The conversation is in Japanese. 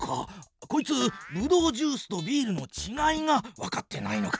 こいつブドウジュースとビールのちがいがわかってないのか。